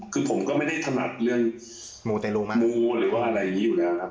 คือผมก็ไม่ได้ถนัดเรื่องมูเตรมูหรือว่าอะไรอย่างนี้อยู่แล้วครับ